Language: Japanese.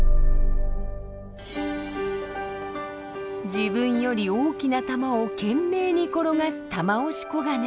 自分より大きな玉を懸命に転がすタマオシコガネ。